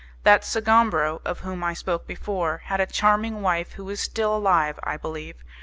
That Sgombro, of whom I spoke before, had a charming wife who is still alive, I believe.